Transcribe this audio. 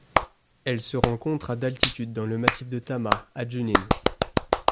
Elle se rencontre à d'altitude dans le massif de Tamá à Junín.